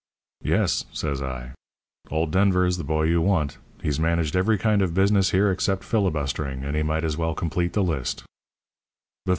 "'Yes,' says I, 'old Denver is the boy you want. He's managed every kind of business here except filibustering, and he might as well complete the list.'